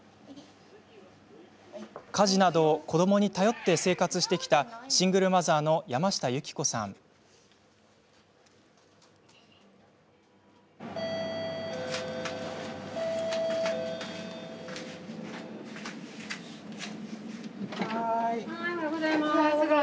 家事などを子どもに頼って生活してきたシングルマザーの山下由紀子さんです。